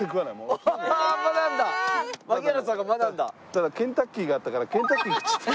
ただケンタッキーがあったからケンタッキー食っちゃった。